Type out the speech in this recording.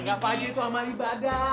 anggap aja itu amal ibadah